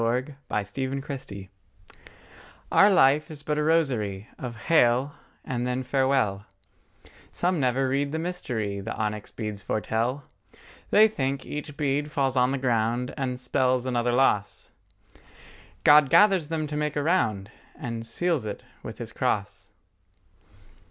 LV AVE ATQUE VALE OUR life is but a rosary Of Hail and then Farewell; Some never read the mystery The onyx beads foretell. They think each bead falls on the ground And spells another loss: God gathers them to make a round And seals it with His cross.